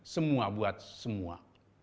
semua buat semua